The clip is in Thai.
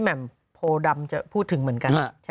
แหม่มโพดำจะพูดถึงเหมือนกัน